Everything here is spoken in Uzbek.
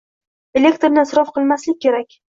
Elektrni isrof qilmaslik kerak!